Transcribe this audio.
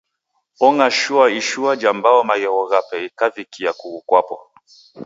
Ong'ashua ishua ja mbau maghegho ghape ghikavikia kughu kwapo.